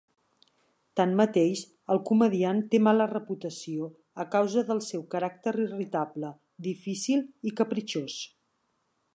Tanmateix el comediant té mala reputació a causa del seu caràcter irritable, difícil i capritxós.